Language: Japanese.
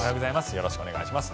よろしくお願いします。